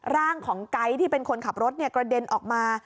ร่างของไก๊ที่เป็นคนขับรถกระเด็นออกมา